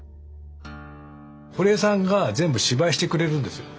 堀江さんが全部芝居してくれるんですよ。